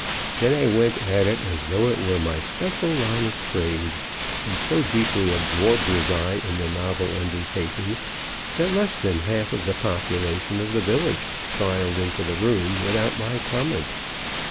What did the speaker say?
Then I went at it as though it were my special line of trade, and so deeply absorbed was I in the novel undertaking that less than half of the population of the village filed into the room without my comment.